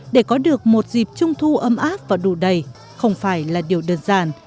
để có được một dịp trung thu âm áp và đủ đầy không phải là điều đơn giản